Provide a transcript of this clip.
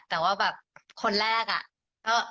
แต่ว่าคนแรกแหละ